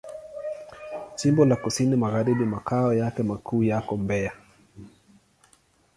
Jimbo la Kusini Magharibi Makao yake makuu yako Mbeya.